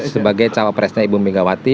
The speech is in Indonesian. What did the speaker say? sebagai cawapresnya ibu megawati